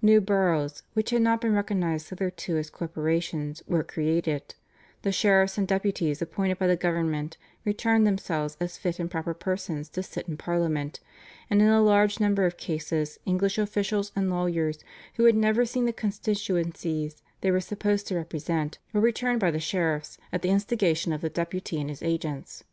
New boroughs, which had not been recognised hitherto as corporations, were created; the sheriffs and deputies appointed by the government returned themselves as fit and proper persons to sit in Parliament, and in a large number of cases English officials and lawyers, who had never seen the constituencies they were supposed to represent, were returned by the sheriffs at the instigation of the Deputy and his agents.